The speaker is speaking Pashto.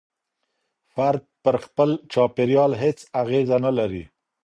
فرد پر خپل چاپېريال هيڅ اغېزه نلري.